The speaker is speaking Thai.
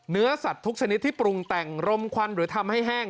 เนื้อสัตว์ทุกชนิดที่ปรุงแต่งรมควันหรือทำให้แห้ง